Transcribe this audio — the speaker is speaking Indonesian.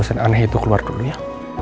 setelah dosen aneh itu keluar dulu ya